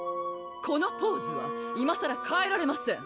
このポーズはいまさらかえられません！